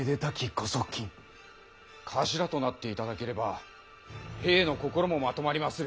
頭となっていただければ兵の心も纏まりまする。